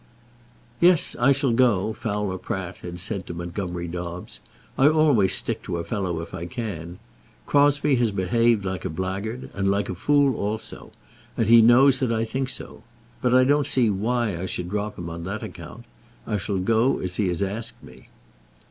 "Yes; I shall go," Fowler Pratt had said to Montgomerie Dobbs. "I always stick to a fellow if I can. Crosbie has behaved like a blackguard, and like a fool also; and he knows that I think so. But I don't see why I should drop him on that account. I shall go as he has asked me."